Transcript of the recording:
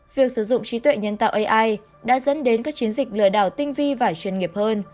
việc sử dụng trí tuệ nhân tạo ai đã dẫn đến các chiến dịch lừa đảo tinh vi và chuyên nghiệp hơn